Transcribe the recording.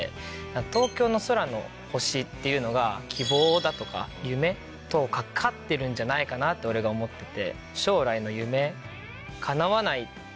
「東京の空の星」っていうのが希望だとか夢とかかってるんじゃないかなって俺が思ってて。